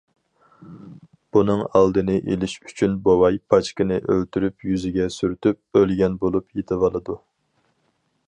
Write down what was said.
بۇنىڭ ئالدىنى ئېلىش ئۈچۈن بوۋاي باچكىنى ئۆلتۈرۈپ يۈزىگە سۈرتۈپ، ئۆلگەن بولۇپ يېتىۋالىدۇ.